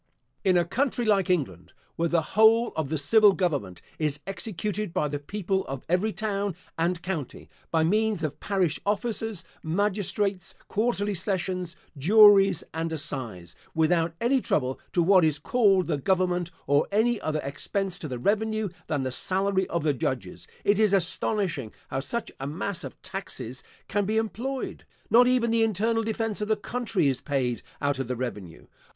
In a country like England, where the whole of the civil Government is executed by the people of every town and county, by means of parish officers, magistrates, quarterly sessions, juries, and assize; without any trouble to what is called the government or any other expense to the revenue than the salary of the judges, it is astonishing how such a mass of taxes can be employed. Not even the internal defence of the country is paid out of the revenue.